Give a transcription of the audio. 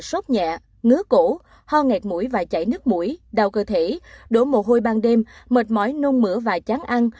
sốt nhẹ ngứa cổ ho ngạt mũi và chảy nước mũi đau cơ thể đổ mồ hôi ban đêm mệt mỏi nung mửa và chán ăn